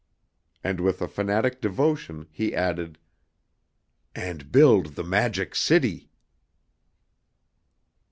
Then with a fanatic devotion, he added: "And build the Magic City!"